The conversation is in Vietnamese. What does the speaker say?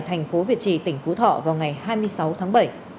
tỉnh phú thọ vào ngày hai mươi sáu tháng bảy